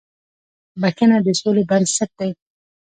• بښنه د سولې بنسټ دی.